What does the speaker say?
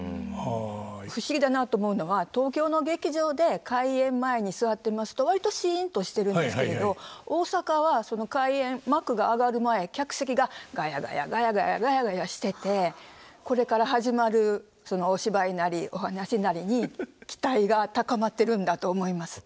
不思議だなと思うのは東京の劇場で開演前に座ってますと割とシンとしてるんですけれど大阪はその開演幕が上がる前客席がガヤガヤガヤガヤガヤガヤしててこれから始まるそのお芝居なりお話なりに期待が高まってるんだと思います。